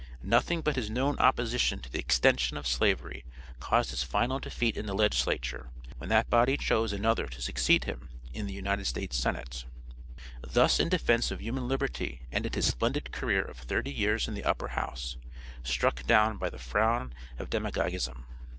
Nothing but his known opposition to the extension of slavery caused his final defeat in the legislature when that body chose another to succeed him in the United States senate. Thus in defence of human liberty ended his splendid career of thirty years in the upper house, struck down by the frown of demagogism.